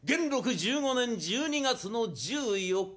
１５年１２月の１４日。